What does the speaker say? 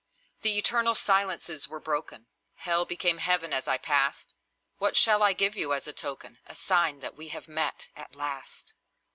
The eternal silences were broken; Hell became Heaven as I passed. What shall I give you as a token, A sign that we have met, at last?